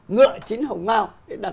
ngựa chín hồng mau